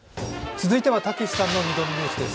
続いてはたけしさんの「２度見ニュース」です。